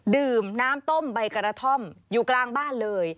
ดื่มน้ำต้มใบกระท่อมอยู่กลางบ้านเลย